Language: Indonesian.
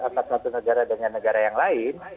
antara satu negara dengan negara yang lain